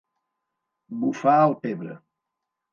Bufar el pebre.